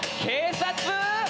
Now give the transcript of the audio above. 「警察！？」